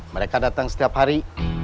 mereka datang setiap hari